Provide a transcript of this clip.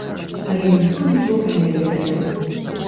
Але ніхто нічога не ведае.